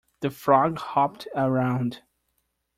The frog hopped around.